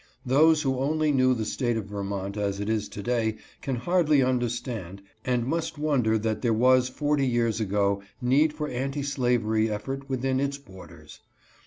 Those who only know the State of Vermont as it is to day can hardly understand, and must wonder that there was forty years ago need for anti slavery effort with in its borders.